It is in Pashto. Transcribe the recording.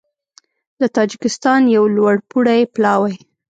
د تاجېکستان یو لوړپوړی پلاوی